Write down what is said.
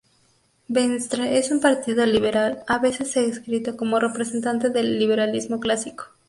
Venstre es un partido liberal, a veces descrito como representante del liberalismo clásico.